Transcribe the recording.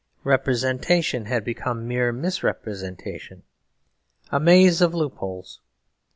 Representation had become mere misrepresentation; a maze of loopholes.